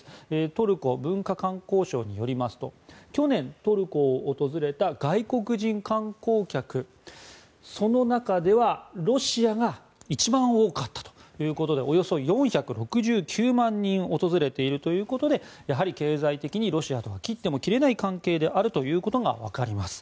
トルコ文化観光省によりますと去年トルコを訪れた外国人観光客の中ではロシアが一番多かったということでおよそ４６９万人訪れているということでやはり経済的にロシアとは切っても切れない関係であることが分かります。